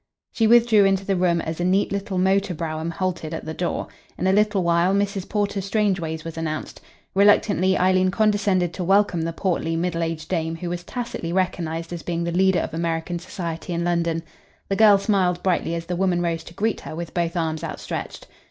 She withdrew into the room as a neat little motor brougham halted at the door. In a little while Mrs. Porter Strangeways was announced. Reluctantly Eileen condescended to welcome the portly, middle aged dame who was tacitly recognised as being the leader of American society in London. The girl smiled brightly as the woman rose to greet her with both arms outstretched.